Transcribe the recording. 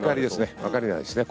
わからないですね